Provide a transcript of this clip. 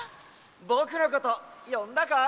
・ぼくのことよんだかい？